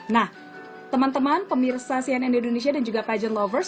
nah teman teman pemirsa cnn indonesia dan juga pajar lovers